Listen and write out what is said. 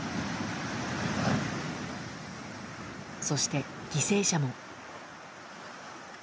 そして犠牲者も。